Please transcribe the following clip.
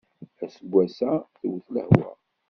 Aseggas-a tewwet lehwa.